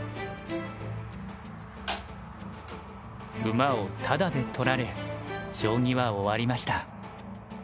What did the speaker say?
馬をタダで取られ将棋は終わりました。